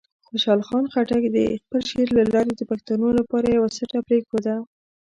خوشحال خان خټک د خپل شعر له لارې د پښتنو لپاره یوه سټه پرېښوده.